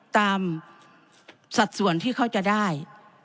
สัดส่วนที่เขาจะได้